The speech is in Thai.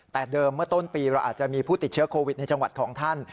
แต่เดิมเมื่อต้นปีเราอาจจะมีผู้ติดเชื้อโควิดในจังหวัดของท่าน